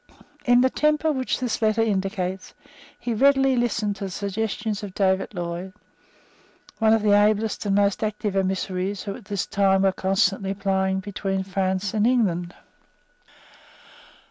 In the temper which this letter indicates, he readily listened to the suggestions of David Lloyd, one of the ablest and most active emissaries who at this time were constantly plying between France and England.